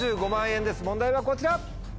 問題はこちら！